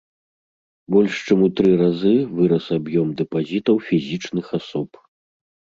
Больш чым у тры разы вырас аб'ём дэпазітаў фізічных асоб.